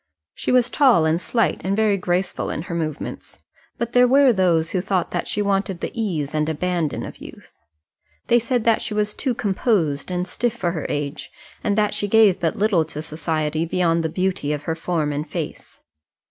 She was tall and slight, and very graceful in her movements; but there were those who thought that she wanted the ease and abandon of youth. They said that she was too composed and stiff for her age, and that she gave but little to society beyond the beauty of her form and face.